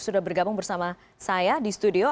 sudah bergabung bersama saya di studio